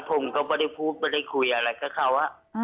ผมก็ไม่ได้พูดไม่ได้คุยอะไรกับเขา